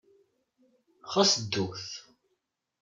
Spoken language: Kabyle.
Ɣas ddut.